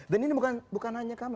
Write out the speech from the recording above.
dan ini bukan hanya kami